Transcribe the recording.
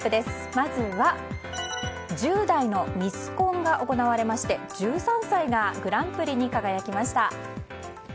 まずは１０代のミスコンが行われまして１３歳がグランプリに輝きました。